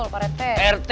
betul pak rt